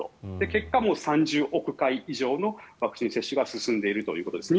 結果、３０億回以上のワクチン接種が進んでいるということです。